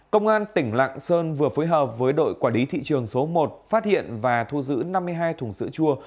công an tỉnh lạng sơn vừa phối hợp với đội quản lý thị trường số một phát hiện và thu giữ năm mươi hai thùng sữa chua